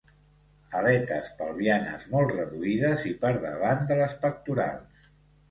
Aletes pelvianes molt reduïdes i per davant de les pectorals.